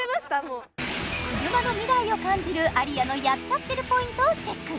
車の未来を感じるＡＲＩＹＡのやっちゃってるポイントをチェック